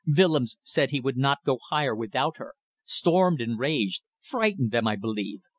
Willems said he would not go higher without her. Stormed and raged. Frightened them, I believe.